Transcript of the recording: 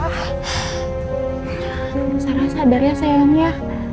tante sarah sadar ya sayangnya